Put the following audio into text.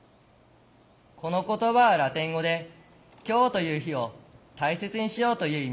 この言葉はラテン語で「今日という日を大切にしよう」という意味の言葉だ。